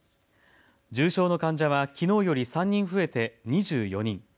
重症の患者はきのうより３人増えて２４人。